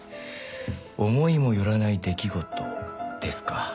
「思いもよらない出来事」ですか。